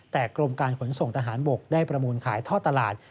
แต่กรมการขนส่งทหารบกได้ประมูลขายท่อตลาด